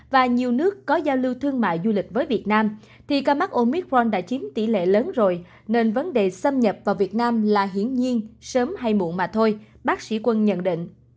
và nhiều nước có giao lưu thương mại du lịch với việt nam thì ca mắc omit fron đã chiếm tỷ lệ lớn rồi nên vấn đề xâm nhập vào việt nam là hiển nhiên sớm hay muộn mà thôi bác sĩ quân nhận định